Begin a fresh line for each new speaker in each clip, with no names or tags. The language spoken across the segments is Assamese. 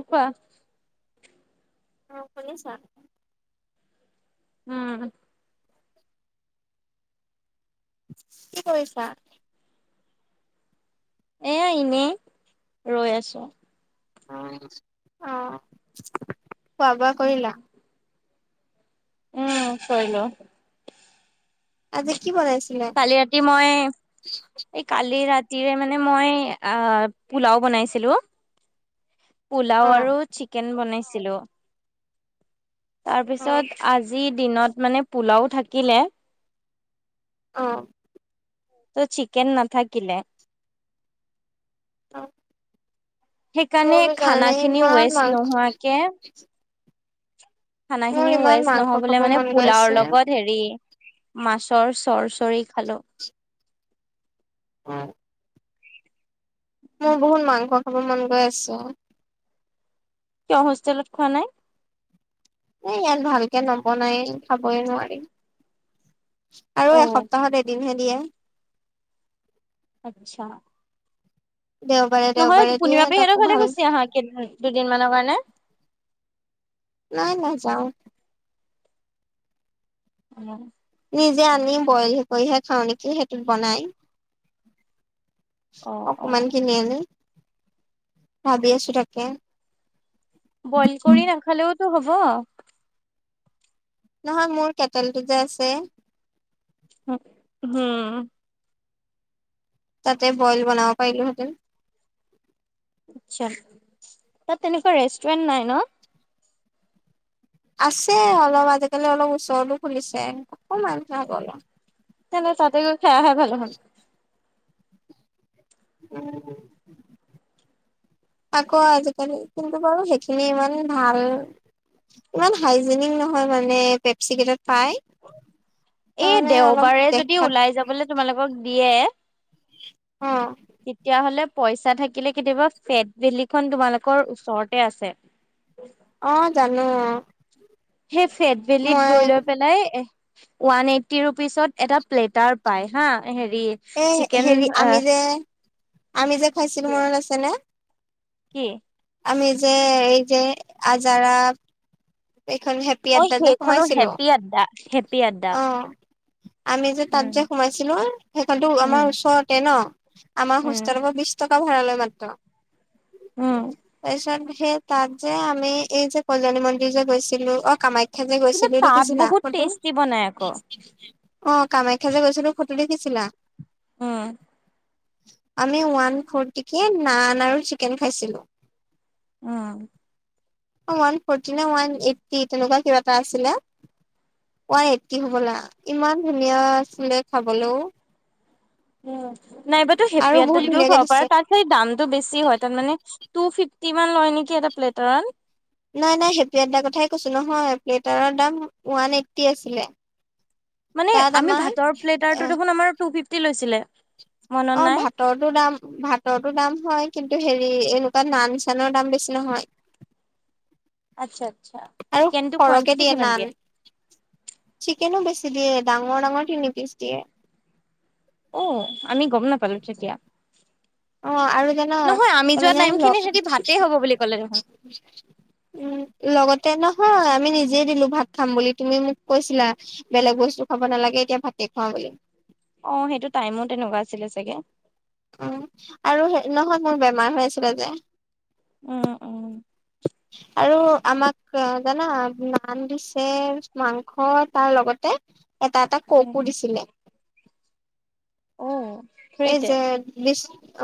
অ কোৱা
অ শুনিছা
উম
কি কৰিছা
এয়া এনেই ৰৈ আছোঁ।
অ'। খোৱা বোৱা কৰিলা
উম কৰিলোঁ
আজি কি বনাইছিলে
কালি ৰাতি মই এই কালি ৰাতি ৰাতিৰে মানে মই আহ পোলাও বনাইছিলোঁ। পোলাও
অ
আৰু চিকেন বনাইছে ছিলো
অ
তাৰপিছত আজি দিনত মানে পোলাও থাকিলে
অ
তো চিকেন নেথাকিলে সেইকাৰণে
মোৰো
খানা
জানানে
খিনি
ইমান
ৱেষ্ট
মাংস
নোহোৱাকে [inaudible] খানা
মোৰ
খিনি
ইমান
ৱেষ্ট
মাংস খাব
নহ'বলে মানে
মন গৈ
পোলাও
আছে
লগত হেৰি মাছৰ চৰচৰি খালোঁ।
অ মোৰ বহুত মাংস খাব মন গৈ আছে
তই হোষ্টেলত খোৱা নাই
এ ইয়াত ভালকে নবনায়ে খাবই নোৱাৰি আৰু
অ
এসপ্তাহত এদিন হে দি দিয়ে
আচ্ছা
দেওবাৰে
নহয়
দেওবাৰে দিয়ে
পুৰ্ণিমা
তাকো
পেহিহঁতৰ ঘৰলে
ভাল
গুছি আহা কেইদিন দুদিনমানৰ কাৰণে
নাই নেযাওঁ
[inaudible] [unintelligible]
নিজে আনি বইল কৰিহে খাওঁ নেকি সেইটোত বনাই
অ', অ'।
অকমান কিনি আনি ভাবি আছো তাকে
বইল কৰি নাখালেও টো হ'ব
নহয় মোৰ কেটেলটো যে আছে
উম, হোমম।
তাতে বইল বনাব পাৰিলো হেঁতেন।
আছা, তাত তেনেকুৱা ৰেষ্টুৰেন্ট নাই ন?
আছে অলপ, আজিকালি অলপ ওচৰৰতো খুলিছে, অকমান আক অলপ
নাইলে [unintelligible] তাতে গও খায় আহা ভাল দেখোন।
উম। আকৌ আজিকালি, কিন্তু বাৰু সেইখিনি ইমান ভাল, ইমান হাইজেনিক নহয় মানে, পেপচি কেইটাত পাই
এ
তাৰমানে অলপ
দেওবাৰে যদি
দেখাত
ওলাই যাবলে তোমালোকক দিয়ে
অ',
তেতিয়া হ'লে পইচা থাকিলে কেতিয়াবা ফেট ভেলি খন তোমালোকৰ ওচৰত এ' আছে।
অ জানো।
সেই ফেটবেলিত
মই
গৈ লৈ পেলাই, এ' ওৱান এইটি ৰুপিচত এটা প্লেটাৰ পাই হা হেৰি
এই
চিকেন
হেৰি
অ
আমি যে আমি যে খাইছিলো, মনত আছে নে?
কি?
আমি যে, এই যে, আজাৰাত এইখন হেপী আড্ডা যে সোমাইছিলো
সেত পিদা।
অ'। আমি যে তাত যে সোমাইছিলো, সেইখনো
উম
আমাৰ ওচৰতে ন, আমাৰ
উম
হোষ্টেলৰ বিশ টকা ভাড়ালৈ মাত্ৰ।
উম
তাছত সেই তাত যে আমি এই যে কলণী মন্দিৰ যে গৈছিলো, অ' কামাখ্যা এে গৈছিল, দেখছিল [unintelligible] না ক তটো
বনায় আক!
অঁ, কামাখ্যা যে গৈছিলোো, ফটো দেখিছিলা?
উম।
আমি ওৱান ফ'ৰটিকে, নান আৰু চিকেন খাইছিলোঁ।
উম।
ওৱান ফৰ্টি নে ওৱান এইটটি, তেনেকুৱা কিবা এটা আছিলে, ওৱান এইটটি হবলা, ইমান ধুনীয়া আছিলে খাবলৈও।
উম, নাইবাতো
আৰু
হেপিয়াতও
বহুত ধুনীয়াকে
খোৱাব পাৰ,
দিছে
তাত খালি দামটো বেছি হয়, তাত মানে টু ফিফ কিমান লয় নেকি, এটা প্লেটাৰত
নাই নাই, হেপী আড্ডাৰ কথাই কৈছিলো'হা, প্লেটাৰৰ দাম ওৱান এইট্টি আছিলে।
মানে
তাত
আমি
আমাৰ
ভাতৰ
এ
প্লেটাৰটো দেখোন আমাৰ তি লৈছিলে মনত
অ
নাই
ভাতৰটো দাম ভাতৰটোো দাম হয় কিন্তু হেৰি এনেকুৱা নান চানৰ দাম বেছি নহয়
আচ্ছা আচ্ছা
আৰু
চিকেনটো
সৰহকে
কোৱানটিটি
দিয়ে
কিমান
নান চিকেনো বেছি দিয়ে ডাঙৰ ডাঙৰ তিনি পিচ দিয়ে
অ আমি গম নাপালো তেতিয়া
অ আৰু জান
নহয় আমি
তাৰ
যোৱা
মানে
টাইম
উম
খিনি সিহঁতি ভাতেই হ'ব বুলি ক'লে দেখোন
লগতে ন হয় আমি নিজে দিলো ভাত খাম বুলি তুমি মোক কৈছিলা বেলেগ বস্তু খাব নালাগে এতিয়া ভাতে খোৱা বুলি
অ সেইটো টাইমো তেনেকুৱা আছিলে চাগে
উম আৰু নহয় মোৰ বেমাৰ হৈ আছিলে যে
উম উম
আৰু আমাক জানা নাম দিছে মাংস তাৰ লগতে এটা এটা ককো
অ
দিছিলে এই
ফ্ৰীতে
যে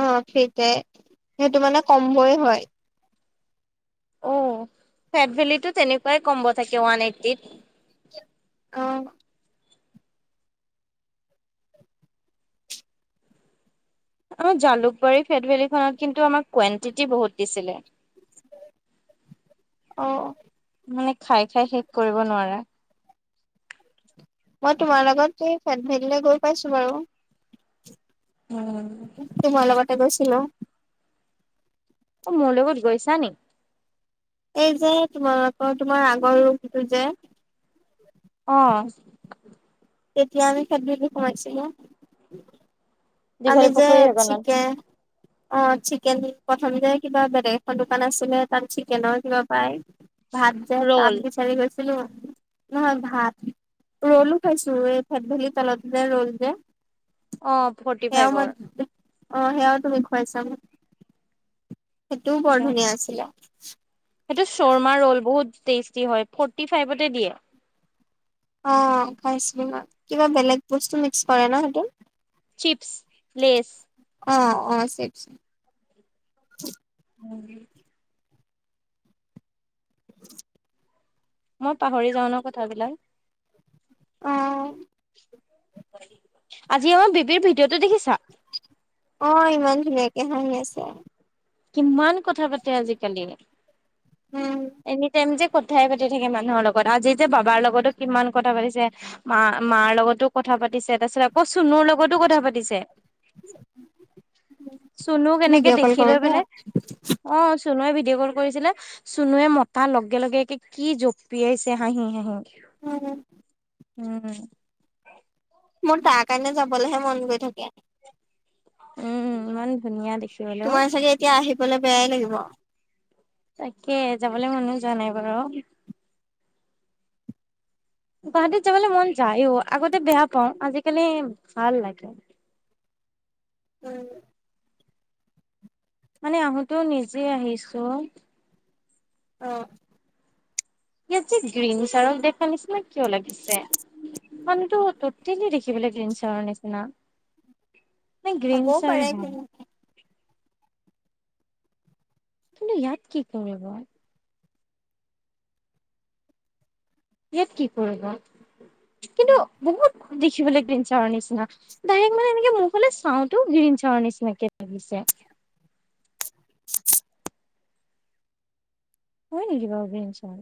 অ ফিতে সেইটো মানে কম বই হয়
অ ফেট ভেলিটোো তেনেকুৱাই কমব থাকে ৱান এইটি এক
অ
অ জালুকবাৰী ফেট ভেলীখনত কিন্তু আমাক কুৱণ্টিটি বহুত দিছিলে
আহ
মানে খাই খাই শেষ কৰিব নোৱাৰাৰে
মই তোমাৰ লগত স ফেট ভেলীৈ গৈ পাইছো বাৰু
উম
এ বৈছিলো
অ মোৰ লগত গৈছা নি
এই যে তোমালোকৰ তোমাৰ আগৰ ৰোগটো যে
আহ
তেতিয়া আমি কেললৈ পহচিলো আমি
দীঘলী
যে
পুখুৰী সেইকনত
শিকে অ চিকেন প্ৰথম যে কিবা বেলেগ এৰ দোকান আছিলে তাত চিকেনৰ কিবা পায় ভাত যায় ত
ৰল
আমি বিচাৰি গৈছো নহয় ভাত ৰ'লো খাইছো এই থেদ ভেলি তলত যে ৰল যে
অ ফৰ্টি
সেয়াও মই
ফাইভৰ
অ সেয়াও তুমি খুৱাইছা সেইটোও বৰ
আচ্ছা
ধুনীয়া আছিলে
সেইটো শৰ্মা ৰল বহুত টেষ্টি হয় ফটি ফাইভতে দিয়ে
অ খাইছিল কিবা বেলেগ বস্তু মিক্স কৰে ন সেইটো
চিপছ্ লেছ
অ অ চিপচ
হয়ে মই পাহৰি যাওঁ ন কথাবিলাক
অ
আজি আমাৰ বেবিৰ ভিডিঅ তো দেখিছা
অ ইমান ধুনীয়াকে হাঁহি আছে।
কিমান কথা পাতে আজিকালি
উম
এনিটাইম যে কথাই পাতি থাকে মানুহৰ লগত আজি যে বাবাৰ লগতো কিমান কথা পাতিছে মা মাৰ লগতো কথা পাতিছে তাৰপিছত আকৌ চুনুৰ লগত লগতো কথা পাতিছে চুনু কেনেকে
ভিডিঅ' কল
দেখি লৈ
কৰোতে
পলে অ চুনুৱে ভিডিঅ' কল কৰিছিলে চুনুৱে মতা লগে লগে কি জঁপিয়াইছে হাঁহি হাঁহি।
উম
উম
মোৰ তাৰ কাৰণে যাবলৈহে মন গৈ থাকে
উম ইমান ধুনীয়া দেখি-
তোমাৰ চাগে এতিয়া আহিব- বলে বেয়াই লাগিব
তাকে যাবলৈ মনো যোৱা নাই বাৰু গুৱাহাটীত যাবলৈ মন যায় অ আগতে বেয়া পাওঁ আজিকালি ভাল লাগে।
উম
মানে আহোতেো নিজেই আহিছো
অ
ইয়াত যে গ্ৰীণ চাৰৰ দেখা নিচিনা কিয় লাগিছে মানুহটো ততেলি দেখিবলৈ গ্ৰীণ চাৰৰ নিচিনা নাই গ্ৰীন
হ'বও
চাৰে
পাৰে কি
হয় কিন্তু ইয়াত কি কৰিব ইয়াত কি কৰিব কিন্তু বহুত দেখিবলৈ গ্ৰীণ চাৰৰ নিচিনা ডাইৰেক্ট মানে এনেকে মুখলে চাওঁতো গ্ৰীণ চাৰৰ নিচিনাকে লাগিছে।
[inaudible]
হয় নেকি বাৰু গ্ৰীণ চাৰ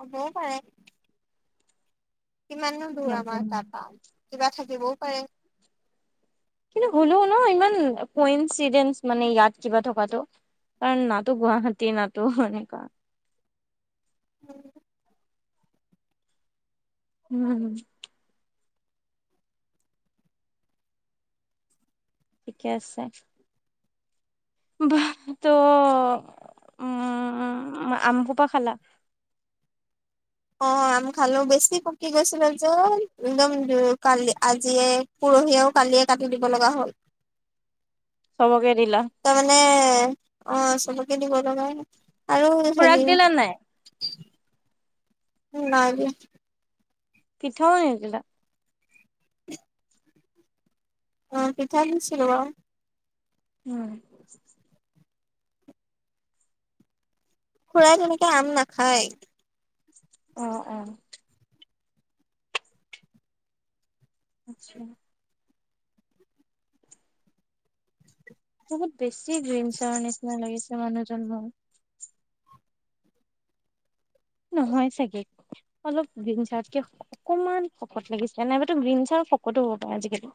হবও পাৰে কিমান নো দূৰ আমাৰ
নাজানো
তাৰ পা কিবা থাকিবও পাৰে
কিন্তু হলেও ন ইমান কইনচিৰিয়েঞ্চ মানে ইয়াত কিবা থকাটো কাৰণ নাটো গুৱাহাটী নাটো এনেকুৱা
উম
উম ঠিকে আছে। বা ত' উম, আম সোপা খালা।
অ' আম খালো বেছি পকি গৈছিলে যে একদম কালি আজিয়ে পৰহিয়ও কালিয়ে কাটি দিব লগা হ'ল।
চবকে দিলা
ত' মানে অ' চব কিনিব লগা আৰু হেৰি
খুৰাক দিলা নাই।
নাই দিয়া।
পিঠাও নিদিলা।
অ' পিঠা দিছিলো আও।
উম
খুৰা তেনেকে আম নাখায়।
অঁ অ। আচ্ছা। বহুত বেছি গ্ৰীন চাৰৰ নিচিনা লাগিছে মানুহ জন মোৰ। নহয় চাগে, অলপ গ্ৰীণ চাৰতকে অকমান শকত লাগিছে নাইবাতো গ্ৰীণ চাৰ্ সকতো হ'ব পাৰে আজিকালি।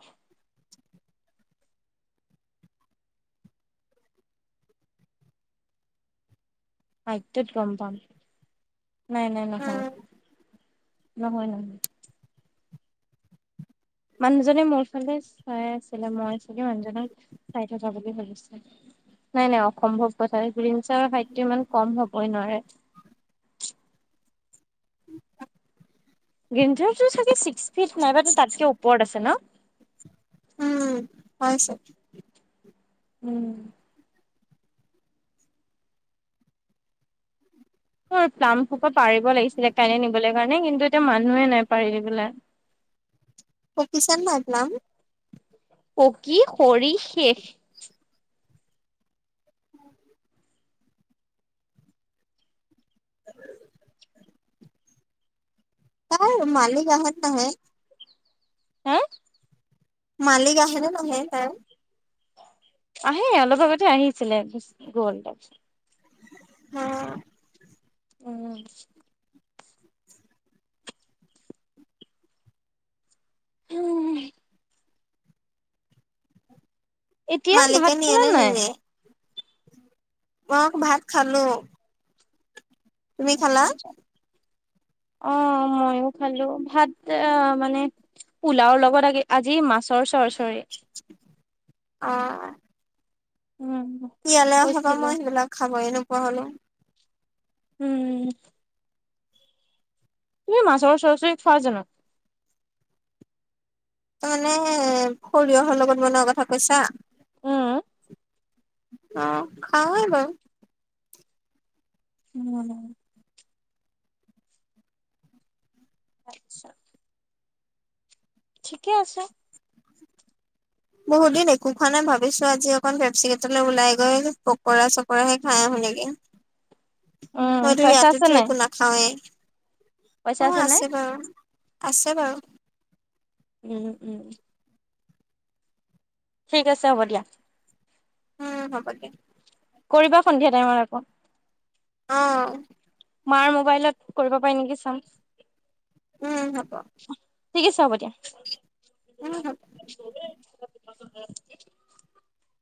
হাইত টোত গম পাম। নাই- নাই নহয়।
উম
নহয়- নহয়। মানুহজনে মোৰ ফালে চাইয়ে আছিলে, মই চাগে মানুহজনক চাই থকা বুলি ভাবিলে। নাই-নাই অসম্ভৱ কথা ছাৰৰ হাইটটো ইমান কম হ'বই নোৱাৰে। গ্ৰীন ছাৰটো চাগে চি স্পিত নাইবা টো তাতকে ওপৰত আছে ন।
উম, হয় চে
উম। মই প্লাম্প সোপা পাৰিব লাগিছিলে কাইলে নিবলৈ কাৰণে, কিন্তু এতিয়া মানুহে নাই পাৰিবলে।
অ' কিশান মাহাদ নাম
পকী সৰি শেষ।
ক' মালিক আহাত নাহে।
হা?
মালিক আহে নে তাইৰ
আহে অলপ আগতে আহিছিলে, গুচি গ'ল।
অঁ
অঁ উম এতিয়া
মালিকে
ভাত
নিয়ে
খালা
নে
নাই।
নিনিয়ে মই আকৌ ভাত খালো। তুমি
আচ্ছা
খালা।
আচ্ছা অ' মইও খালো ভাত মানে পোলাও লগত আজি মাছৰ চৰচ
[inaudible] অ
উম
ইয়ালে অহা পা
কৈছিলো
মই সেইবিলাক খাব এৰিলো। কলে
উম। তুমি মাছৰ সৰচৰী খোৱা জানো?
ত মানে সৰিয়হৰ লগত বনোৱা কথা কৈছা।
উম
অ খাওঁ য়ে বাও।
উম। তাৰিছো ঠিকে আছে।
বহুত দিন একো খোৱা নাই ভাবিছোঁ আজি অকণ বেবচিকটলৈ ওলাই গৈ পকৰা চকৰাহে খাই আহোঁ নেকি।
উম
মইতো
পইচা আছে
ইয়াতেতো
নাই
একো নাখাওৱেই
পইচা
অ
নাই
আছে বাৰু আছে বাৰু।
উম উম। ঠিক আছে হ'ব দিয়া।
উম হব দে।
কৰিবা সন্ধিয়া টাইমত আকৌ।
অঁ
মাৰ মোবাইলত কৰিব পাই নেকি চাম।
উম হব।
ঠিক আছে হ'ব দিয়া।
উম হ'ব।
[unintelligible] ম [unintelligible]